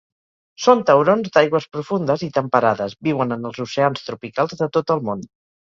Són taurons d'aigües profundes i temperades, viuen en els oceans tropicals de tot el món.